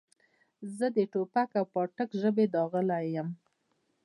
زه د ټوپک او پاټک ژبې داغلی یم.